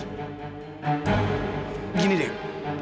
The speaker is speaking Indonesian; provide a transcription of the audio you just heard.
nggak nggak nggak nggak nggak nggak nggak nggak